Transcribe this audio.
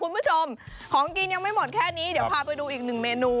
คุณผู้ชมของกินยังไม่หมดแค่นี้เดี๋ยวพาไปดูอีกหนึ่งเมนู